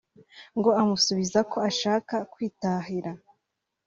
ngo amusubiza ko ashaka kwitahira